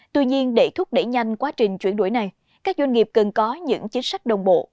tuy nhiên để thúc đẩy nhanh quá trình chuyển đổi này các doanh nghiệp cần có những chính sách đồng bộ